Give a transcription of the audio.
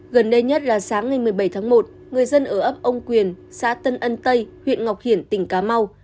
gần đây nhất là sáng ngày một mươi bảy tháng một người dân ở ấp ông quyền xã tân ân tây huyện ngọc hiển tỉnh cà mau